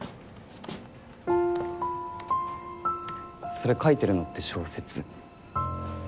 ・それ書いてるのって小説？